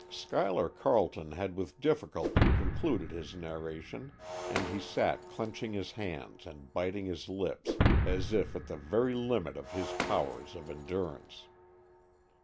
Schuyler Carleton had with difficulty concluded his narration, and he sat clenching his hands and biting his lips as if at the very limit of his powers of endurance.